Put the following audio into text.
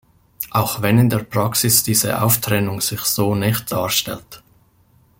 Auch wenn in der Praxis diese Auftrennung sich so nicht darstellt.